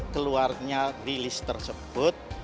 keluarnya di list tersebut